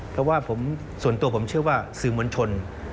เพราะว่าส่วนตัวผมเชื่อว่าสื่อมวลชน